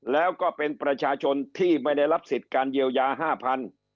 แล้วก็เป็นประชาชนที่ไม่ได้รับสิทธิ์การเยียวยา๕๐๐บาท